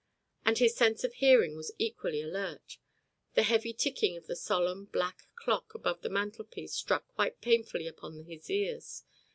And his sense of hearing was equally alert. The heavy ticking of the solemn black clock above the mantelpiece struck quite painfully upon his ears.